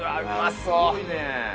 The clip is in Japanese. すごいね！